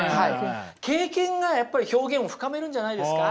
経験がやっぱり表現を深めるんじゃないですか。